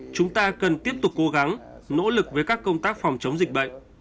chúng ta cần tiếp tục cố gắng nỗ lực với các công tác phòng chống dịch bệnh